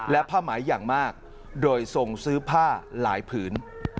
และผ้าหมายอย่างมากโดยทรงซื้อผ้าหลายผืน